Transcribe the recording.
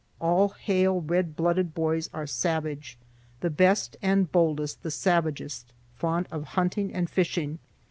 All hale, red blooded boys are savage, the best and boldest the savagest, fond of hunting and fishing.